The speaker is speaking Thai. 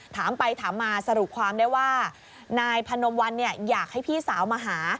ถามไปถามมาสรุปความได้ว่านายพนมวันอยากให้พี่สาวมาหา